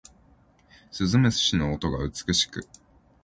鈴虫の音が美しく